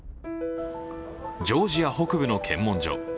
ジョージア北部の検問所。